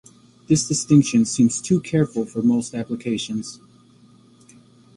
This distinction seems too careful for most applications.